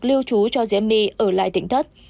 lưu trú cho diễm my ở lại tính thất